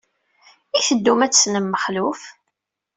I teddum ad d-tessnem Mexluf?